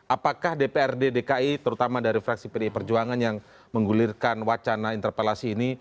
apakah dprd dki terutama dari fraksi pdi perjuangan yang menggulirkan wacana interpelasi ini